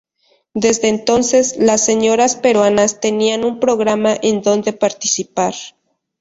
Desde entonces, las señoras peruanas tenían un programa en donde participar.